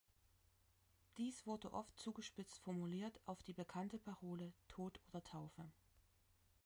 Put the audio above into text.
Dies wurde oft zugespitzt formuliert auf die bekannte Parole „Tod oder Taufe“.